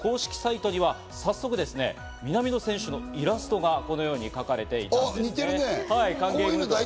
クラブの公式サイトには早速ですね、南野選手のイラストがこのように描かれていました。